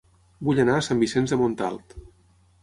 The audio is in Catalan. Vull anar a Sant Vicenç de Montalt